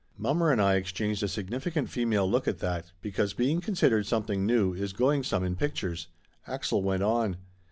Mommer and I exchanged a significant female look at that, because being considered something new is going some in pictures. Axel went on.